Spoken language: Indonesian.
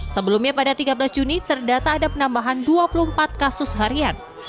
sebelumnya pada tiga belas juni terdata ada penambahan dua puluh empat kasus harian